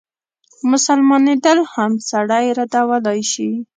مسلمانېدل هم سړی ردولای شي.